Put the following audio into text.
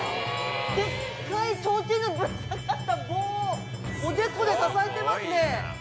でっかい提灯のぶら下がった棒をおでこで支えてますね。